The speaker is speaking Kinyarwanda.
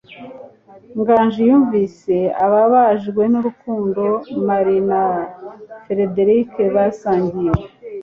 Nganji yumvise ababajwe nurukundo Marie na Frederick basangiye.